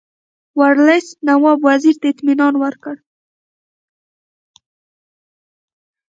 ورلسټ نواب وزیر ته اطمینان ورکړ.